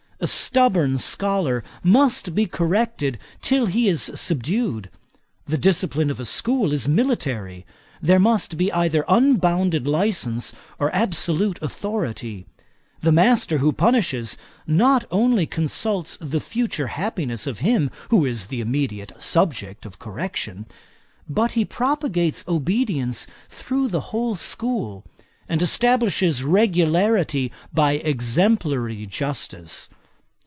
A stubborn scholar must be corrected till he is subdued. The discipline of a school is military. There must be either unbounded licence or absolute authority. The master, who punishes, not only consults the future happiness of him who is the immediate subject of correction; but he propagates obedience through the whole school; and establishes regularity by exemplary justice.